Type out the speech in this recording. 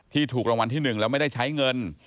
ถูกรางวัลที่๑แล้วไม่ได้ใช้เงิน